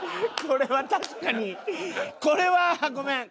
これは確かにこれはごめん。